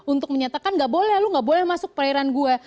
untuk menyatakan gak boleh lo gak boleh masuk perairan gua